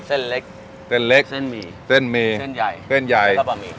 เส้นเล็กเส้นเล็กเส้นหมี่เส้นหมี่เส้นใหญ่เส้นใหญ่ก็บะหมี่